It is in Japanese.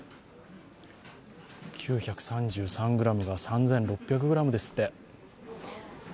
９３３ｇが３６００ｇですって。